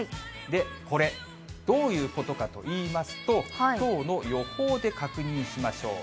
これ、どういうことかといいますと、きょうの予報で確認しましょう。